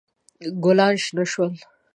ګلان شنه شول.